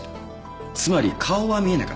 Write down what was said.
つまり顔は見えなかった。